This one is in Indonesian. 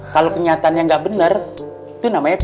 kalo kenyataannya nggak bener itu namanya fitnah